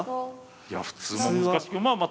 いや普通も難しいまあまあ